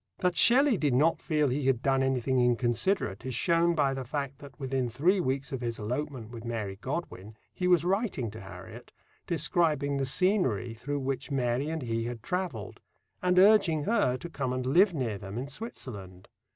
That Shelley did not feel he had done anything inconsiderate is shown by the fact that, within three weeks of his elopement with Mary Godwin, he was writing to Harriet, describing the scenery through which Mary and he had travelled, and urging her to come and live near them in Switzerland.